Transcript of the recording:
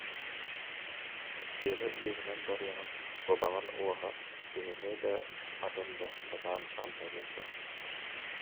Тыаны быыһынан барыаҕын куобаҕын уоһа киһини да, аты да сатаан хаамтарыа суох